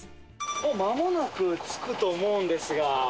もうまもなく着くと思うんですが。